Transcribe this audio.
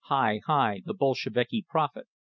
Hi! Hi! The Bolsheviki prophet!"